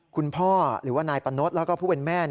คุณพ่อหรือว่านายปะนดแล้วก็ผู้เป็นแม่